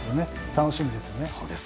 楽しみですよね。